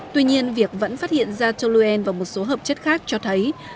tuy nhiên việc vẫn phát hiện ra toluen và một số hợp chất khác cho thấy